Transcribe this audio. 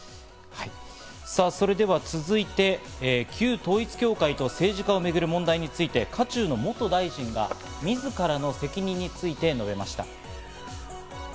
さぁ、それでは続いて旧統一教会と政治家をめぐる問題について渦中の元大臣がみずからの責任について述べました。